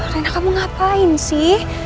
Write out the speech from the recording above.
rena kamu ngapain sih